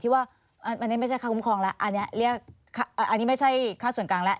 ที่ว่าอันนี้ไม่ใช่ค่าคุ้มครองอันนี้ไม่ใช่ค่าส่วนกลางแล้ว